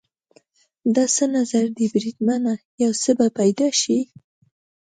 دې څه نظر دی بریدمنه؟ یو څه به پیدا شي.